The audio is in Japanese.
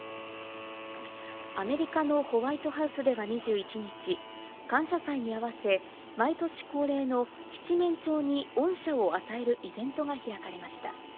アメリカのホワイトハウスでは２１日、感謝祭に合わせ毎年恒例の七面鳥に恩赦を与えるイベントが開かれました。